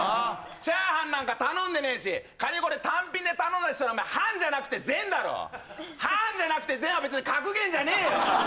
チャーハンなんか頼んでねえし仮にこれ単品で頼んだとしたら半じゃなくて全だろ「半じゃなくて全」はべつに格言じゃねえよ